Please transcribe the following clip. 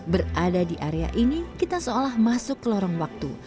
berada di area ini kita seolah masuk ke lorong waktu